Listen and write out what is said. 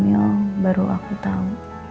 ketika aku hamil baru aku tau